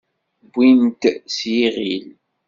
Wwin-t s yiɣil.